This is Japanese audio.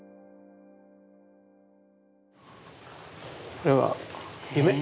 これは「夢」？